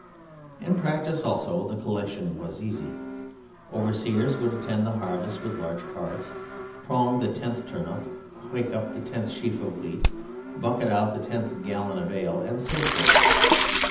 In practice also the collection was easy. Overseers would attend the harvest with large carts, prong the tenth turnip, hoick up the tenth sheaf of wheat, bucket out the tenth gallon of ale, and so forth.